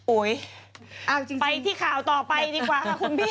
โอ๊ยไปที่ข่าวต่อไปดีกว่าค่ะคุณพี่เอาจริง